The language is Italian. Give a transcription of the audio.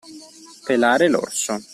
Pelare l'orso.